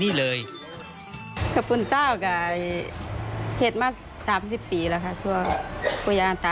เบียบไม่ไหม่สดสดขึ้นจากน้ำ